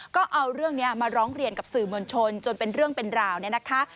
ก็เอาเรื่องนี้มาร้องเรียนกับสื่อมวลชนจนเป็นเรื่องเป็นราวเนี่ยนะคะ